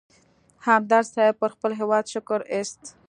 همدرد صیب پر خپل هېواد شکر اېست.